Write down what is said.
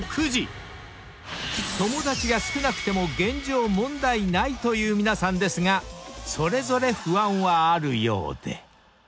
［友達が少なくても現状問題ないという皆さんですがそれぞれ不安はあるようで］